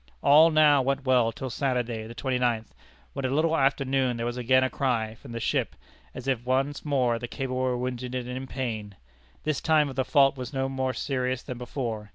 All now went well till Saturday, the twenty ninth, when a little after noon there was again a cry from the ship, as if once more the cable were wounded and in pain. This time the fault was more serious than before.